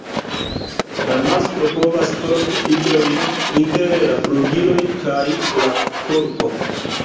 La masklo povas porti idojn inter la flugiloj kaj la korpo.